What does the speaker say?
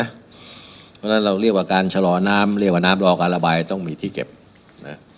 เพราะฉะนั้นเราเรียกว่าการชะลอน้ำเรียกว่าน้ำรอการระบายต้องมีที่เก็บนะ